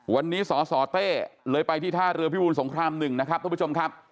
วันนี้สสเต้เลยไปที่ท่าเรือพิบูรสงคราม๑นะครับท่านผู้ชมครับ